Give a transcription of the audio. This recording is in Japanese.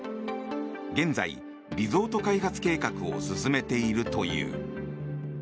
現在、リゾート開発計画を進めているという。